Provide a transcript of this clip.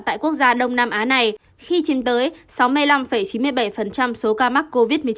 tại quốc gia đông nam á này khi chiếm tới sáu mươi năm chín mươi bảy số ca mắc covid một mươi chín